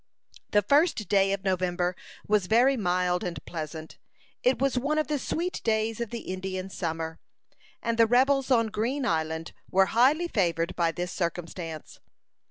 The first day of November was very mild and pleasant. It was one of the sweet days of the Indian summer, and the rebels on Green Island were highly favored by this circumstance.